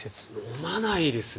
飲まないですね。